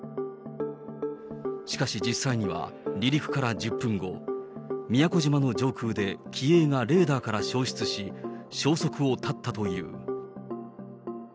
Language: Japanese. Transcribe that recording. しかし実際には、離陸から１０分後、宮古島の上空で機影がレーダーから消失し、消息を絶ったという。